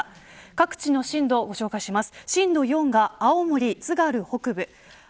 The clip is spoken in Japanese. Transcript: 各地の震度をご紹介します。